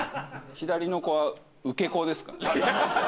左の子は受け子ですか？